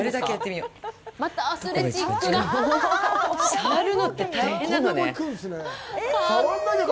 触るのって大変なのね。